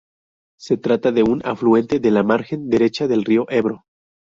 Se trata de un afluente de la margen derecha del río Ebro.